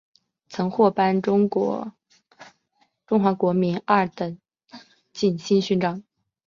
曾获颁中华民国二等景星勋章。